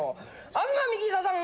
東幹久さん